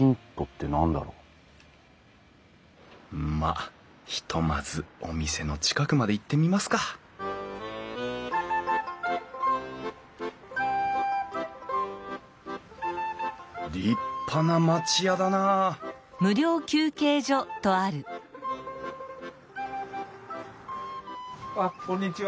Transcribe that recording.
まあひとまずお店の近くまで行ってみますか立派な町屋だなああっこんにちは。